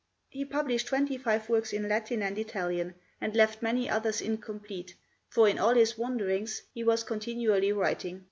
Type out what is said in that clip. He published twenty five works in Latin and Italian, and left many others incomplete, for in all his wanderings he was continually writing.